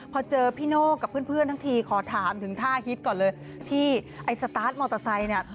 พอเจอพี่โน่กับเพื่อนทั้งทีขอถามถึงท่าฮิตก่อนเลยพี่ไอ้สตาร์ทมอเตอร์ไซค์เนี่ย